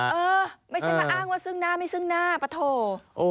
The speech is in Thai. เออไม่ใช่มาอ้างว่าซึ่งหน้าไม่ซึ่งหน้าปะโถ